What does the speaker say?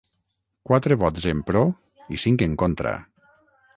Quatre vots en pro i cinc en contra.